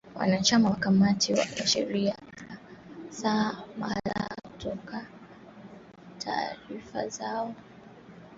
wanachama wa kamati ya sheria kutumia saa kadhaa kutoa taarifa zao za ufunguzi